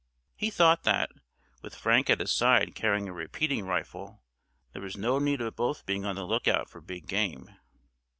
He thought that, with Frank at his side carrying a repeating rifle, there was no need of both being on the lookout for big game.